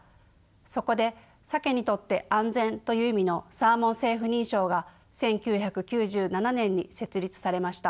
そこでサケにとって安全という意味のサーモン・セーフ認証が１９９７年に設立されました。